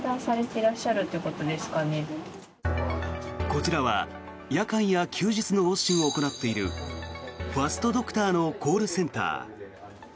こちらは夜間や休日の往診を行っているファストドクターのコールセンター。